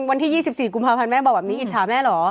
วันที่๒๔กุมภาพันธ์แม่บอกแบบนี้อิจฉาแม่เหรอ